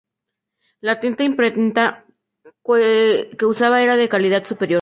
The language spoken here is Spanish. La tinta de imprenta que usaba era de una calidad superior.